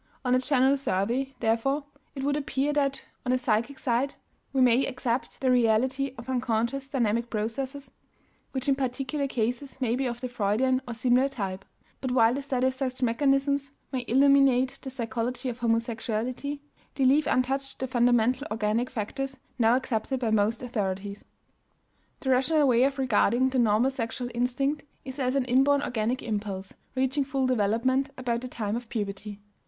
On a general survey, therefore, it would appear that, on the psychic side, we may accept the reality of unconscious dynamic processes which in particular cases may be of the Freudian or similar type. But while the study of such mechanisms may illuminate the psychology of homosexuality, they leave untouched the fundamental organic factors now accepted by most authorities. The rational way of regarding the normal sexual instinct is as an inborn organic impulse, reaching full development about the time of puberty.